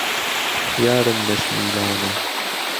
یارم نهشمیلانه